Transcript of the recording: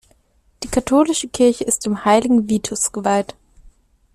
Die katholische Kirche ist dem heiligen Vitus geweiht.